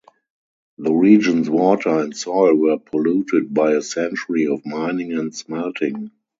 The region's water and soil were polluted by a century of mining and smelting.